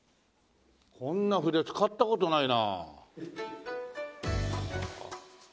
こんな筆使った事ないな。